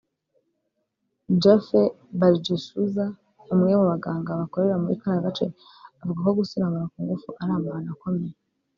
Jaffer Balyejjusa umwe mu baganga bakorera muri kariya gace avuga ko gusiramura ku ngufu ari amahano akomeye